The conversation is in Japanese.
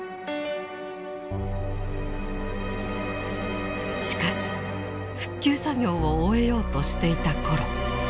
しかし復旧作業を終えようとしていた頃。